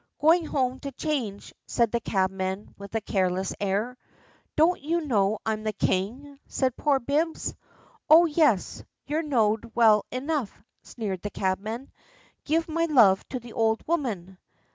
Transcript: "Going home to change," said the cabman, with a careless air. "Don't you know I'm the king?" said poor Bibbs. "Oh, yes, you're know'd well enough," sneered the cabman; "give my love to the old woman."